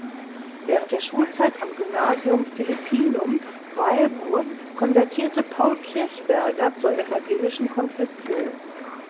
Während der Schulzeit am Gymnasium Philippinum Weilburg konvertierte Paul Kirchberger zur evangelischen Konfession.